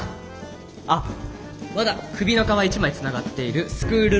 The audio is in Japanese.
あっまだ首の皮一枚つながっているスクール